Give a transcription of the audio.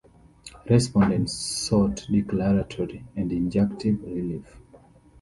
Respondents sought declaratory and injunctive relief.